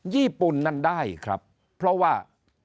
ญี่ปุ่นนั้นได้ครับเพราะว่า